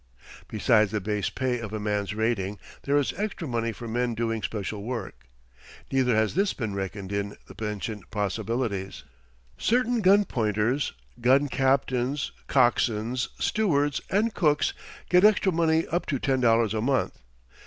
Besides the base pay of a man's rating there is extra money for men doing special work. (Neither has this been reckoned in the pension possibilities.) Certain gun pointers, gun captains, coxswains, stewards, and cooks get extra money up to $10 a month.